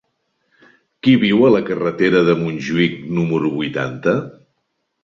Qui viu a la carretera de Montjuïc número vuitanta?